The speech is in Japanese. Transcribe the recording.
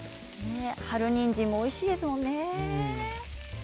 春にんじんもおいしいですよね。